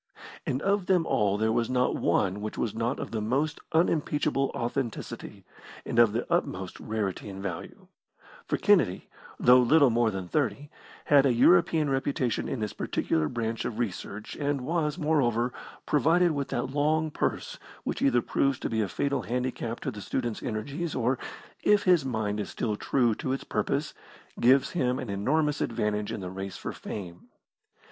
And of them all there was not one which was not of the most unimpeachable authenticity, and of the utmost rarity and value; for Kennedy, though little more than thirty, had a European reputation in this particular branch of research, and was, moreover, provided with that long purse which either proves to be a fatal handicap to the student's energies, or, if his mind is still true to its purpose, gives him an enormous advantage in the race for fame.